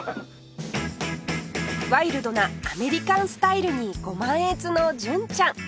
ワイルドなアメリカンスタイルにご満悦の純ちゃん